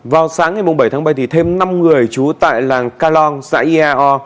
vào sáng ngày bảy tháng bảy thêm năm người trú tại làng calong dãi eao